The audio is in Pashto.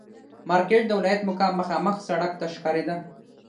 مارکېټ د ولایت مقام مخامخ سړک ته ښکارېده.